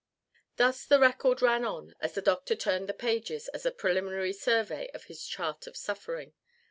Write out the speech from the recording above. Thus the record ran on as the doctor turned the pages in a preliminary survey of his chart of suffering.